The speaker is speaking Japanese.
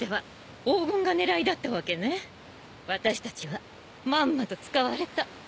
私たちはまんまと使われた。